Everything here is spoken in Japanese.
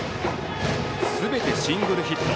すべてシングルヒット。